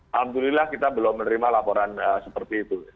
alhamdulillah kita belum menerima laporan seperti itu